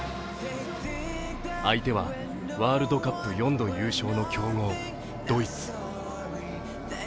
相手はワールドカップ４度優勝の強豪・ドイツ。